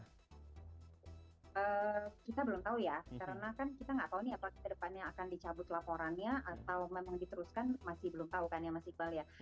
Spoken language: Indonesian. kita belum tahu ya karena kan kita nggak tahu nih apakah kedepannya akan dicabut laporannya atau memang diteruskan masih belum tahu kan ya mas iqbal ya